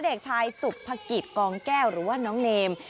เด็กชายสุภกิจกองแก้วหรือว่าน้องเนม